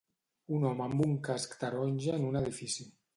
Un home amb un casc taronja en un edifici.